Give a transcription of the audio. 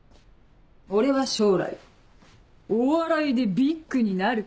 「俺は将来お笑いでビッグになる！」